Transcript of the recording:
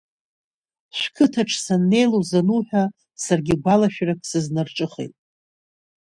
Шәқыҭаҿ саннеилоз ануҳәа, саргьы гәалашәарак сызнарҿыхеит.